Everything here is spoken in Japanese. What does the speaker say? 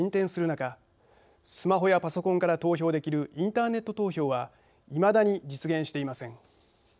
中スマホやパソコンから投票できるインターネット投票はいまだに実現していません。